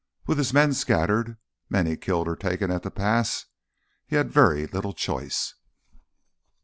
With his men scattered, many killed or taken at the pass, he had very little choice.